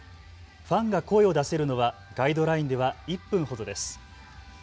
ファンが声を出せるのはガイドラインでは１分ほどです。